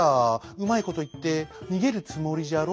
うまいこといってにげるつもりじゃろ」。